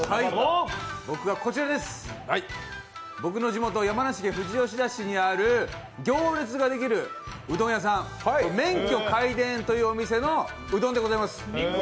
僕の地元山梨富士吉田市にある行列ができるうどん屋さん、麺許皆伝というお店のうどんでございます。